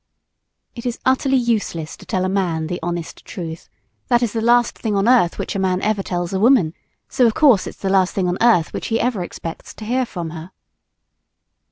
It is utterly useless to tell a man the honest truth. That is the last thing on earth which a man ever tells a woman so of course it's the last thing on earth which he ever expects to hear from her.